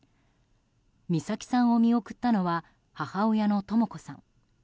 美咲さんを見送ったのは母親のとも子さん。